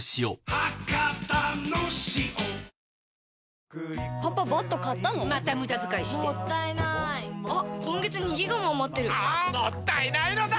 あ‼もったいないのだ‼